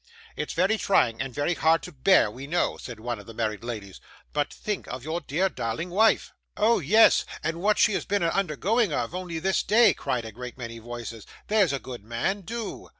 'It's very trying, and very hard to bear, we know,' said one of the married ladies; 'but think of your dear darling wife.' 'Oh yes, and what she's been a undergoing of, only this day,' cried a great many voices. 'There's a good man, do.